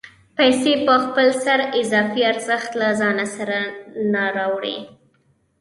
پیسې په خپل سر اضافي ارزښت له ځان سره نه راوړي